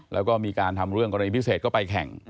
แล้วก็มีการทำเรื่องกรณีพิเศษก็ไปแข่ง